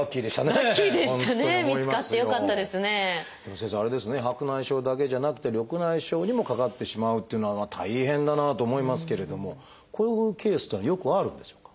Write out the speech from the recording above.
先生あれですね白内障だけじゃなくて緑内障にもかかってしまうっていうのは大変だなと思いますけれどもこういうケースというのはよくあるんでしょうか？